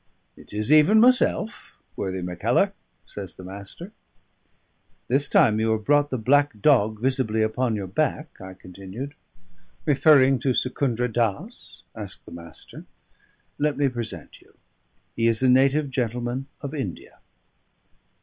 "It is even myself, worthy Mackellar," says the Master. "This time you have brought the black dog visibly upon your back," I continued. "Referring to Secundra Dass?" asked the Master. "Let me present you. He is a native gentleman of India."